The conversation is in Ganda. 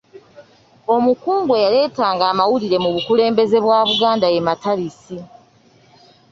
Omukungu eyaleetanga amawulire mu bukulembeze bwa Buganda ye Matalisi.